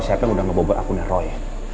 siapa yang udah ngebobot akunnya roy